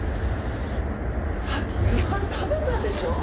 さっき、夕飯食べたでしょ？